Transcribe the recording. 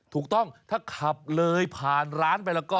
ถูกต้องถ้าขับเลยผ่านร้านไปแล้วก็